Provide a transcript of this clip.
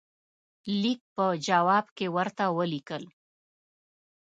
لیک په جواب کې ورته ولیکل.